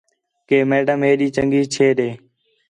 کہ میڈم ہے ڈی چنڳی چھے ݙے